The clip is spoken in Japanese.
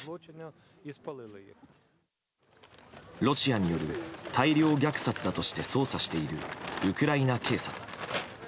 ロシアによる大量虐殺だとして捜査しているウクライナ警察。